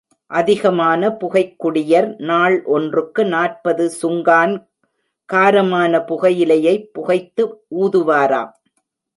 அதிகமான புகைக் குடியர், நாள் ஒன்றுக்கு நாற்பது சுங்கான் காரமான புகையிலையைப் புகைத்து ஊதுவாராம்.